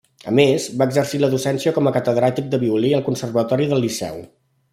A més, va exercir la docència com a catedràtic de violí al Conservatori del Liceu.